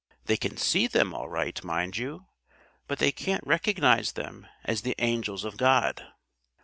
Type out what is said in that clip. They can see them all right, mind you! But they can't recognise them as the angels of God."